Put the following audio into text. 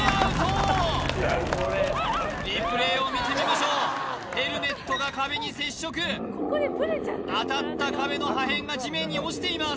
ＲＥＰＬＡＹを見てみましょうヘルメットが壁に接触当たった壁の破片が地面に落ちています